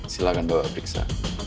silahkan bawa periksa